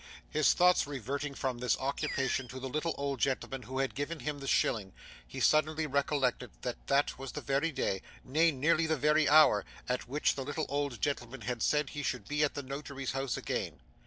His thoughts reverting from this occupation to the little old gentleman who had given him the shilling, he suddenly recollected that that was the very day nay, nearly the very hour at which the little old gentleman had said he should be at the Notary's house again.